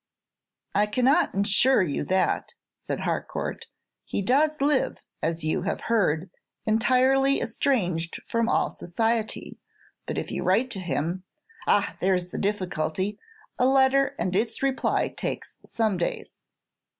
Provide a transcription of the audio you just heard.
"I cannot insure you that," said Harcourt. "He does live, as you have heard, entirely estranged from all society. But if you write to him " "Ah! there's the difficulty. A letter and its reply takes some days."